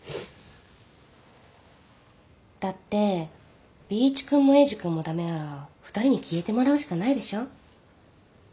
だってＢ一君もエイジ君も駄目なら２人に消えてもらうしかないでしょ。